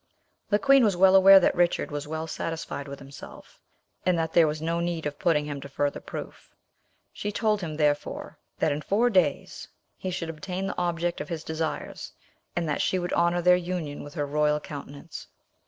The queen was well aware that Richard was well satisfied with himself, and that there was no need of putting him to further proof; she told him, therefore, that in four days he should obtain the object of his desires, and that she would honour their union with her royal countenance.